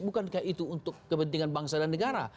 bukankah itu untuk kepentingan bangsa dan negara